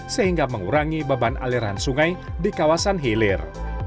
sehingga mengurangi beban aliran sungai di kawasan hilir